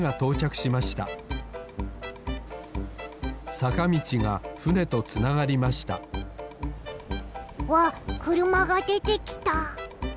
さかみちがふねとつながりましたわっくるまがでてきた。